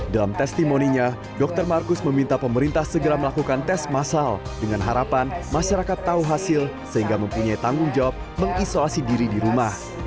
dalam testimoninya dr markus meminta pemerintah segera melakukan tes masal dengan harapan masyarakat tahu hasil sehingga mempunyai tanggung jawab mengisolasi diri di rumah